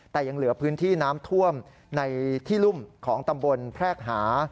แต่ยังเหลือพื้นที่น้ำท่วมในที่รุ่มของตำบลแพรกหา